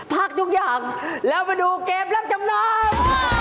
พักทุกอย่างแล้วมาดูเกมรับจำนำ